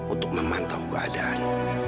untuk memantau keadaan